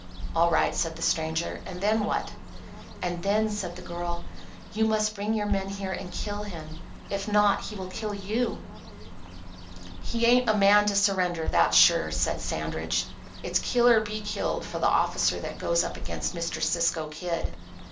"All right," said the stranger. "And then what?" "And then," said the girl, "you must bring your men here and kill him. If not, he will kill you." "He ain't a man to surrender, that's sure," said Sandridge. "It's kill or be killed for the officer that goes up against Mr. Cisco Kid."